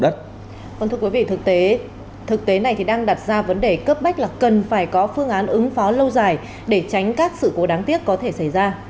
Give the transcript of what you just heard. thực tế này thì đang đặt ra vấn đề cấp bách là cần phải có phương án ứng phó lâu dài để tránh các sự cố đáng tiếc có thể xảy ra